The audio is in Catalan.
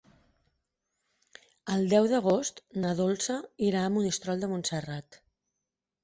El deu d'agost na Dolça irà a Monistrol de Montserrat.